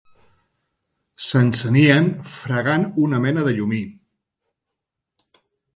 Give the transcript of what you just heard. S'encenien fregant una mena de llumí